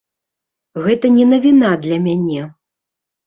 Гэта не навіна для мяне.